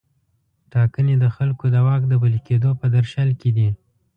ټاکنې د خلکو د واک د پلي کیدو په درشل کې دي.